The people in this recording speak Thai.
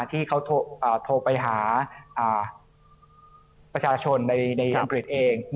ที่เขาโทรไปหาประชาชนในอังกฤษเอง